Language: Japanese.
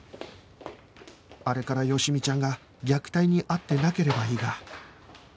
あれから好美ちゃんが虐待に遭ってなければいいが